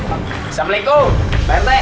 assalamualaikum pak rt